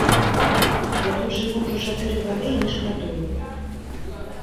Я тут жыву ўжо чатыры гады і не шкадую.